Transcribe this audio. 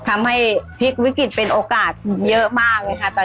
ทำให้พลิกวิกฤตเป็นโอกาสเยอะมากเลยค่ะ